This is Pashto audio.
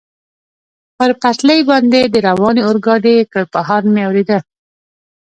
پر پټلۍ باندې د روانې اورګاډي کړپهار مې اورېده.